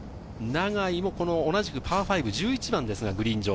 永井も同じくパー５、１１番ですかグリーン上。